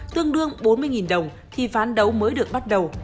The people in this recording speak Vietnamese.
tương đương bốn mươi đồng khi phán đấu mới được bắt đầu